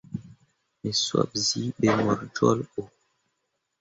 Me sop cee ɓe mor jolɓo.